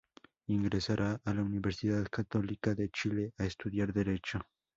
Ingresará a la Universidad Católica de Chile a estudiar Derecho.